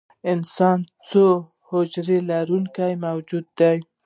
انسانان څو حجرې لرونکي موجودات دي